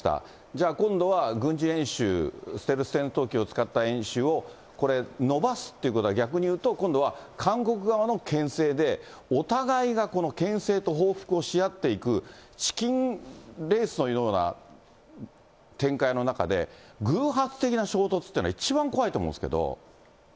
じゃあ、今度は軍事演習、ステルス戦闘機を使った演習をこれ、伸ばすってことは逆にいうと、今度は韓国側のけん制で、お互いがけん制と報復をし合っていく、チキンレースのような展開の中で、偶発的な衝突っていうのは一番怖いと思うんですけど。